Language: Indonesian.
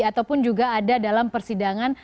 ataupun juga ada dalam persidangan